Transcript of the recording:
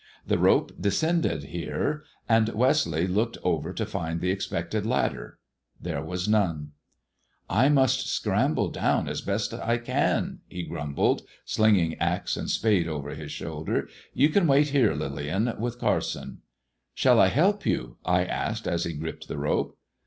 The rope descended here, and Westleigh looked over to find the expected ladder. There was nona ''I must scramble down as best I can," he grumbled, slinging axe and spade over his shoulder. '' You can wait here, Lillian, with Carson." ^^ Sliall I help you V* I asked, as he gripped the rope.